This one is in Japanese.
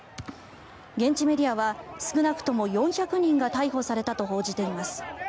現地メディアは少なくとも４００人が逮捕されたと報じています。